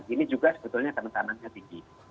ini juga sebetulnya kerentanannya tinggi